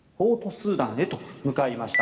スーダンへと向かいました。